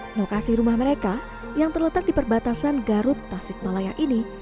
lokasi rumah mereka yang terletak di perbatasan garut tasikmalaya ini